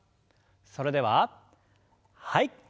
それでははい。